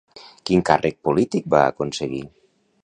Quin càrrec polític va aconseguir?